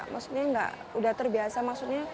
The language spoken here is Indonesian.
maksudnya udah terbiasa maksudnya